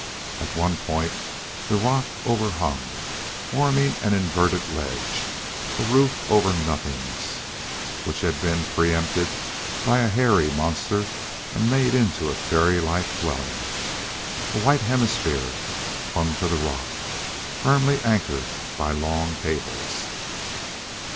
At one point the rock overhung, forming an inverted ledge a roof over nothingness which had been preempted by a hairy monster and made into a fairy like dwelling. A white hemisphere clung to the rock, firmly anchored by long cables.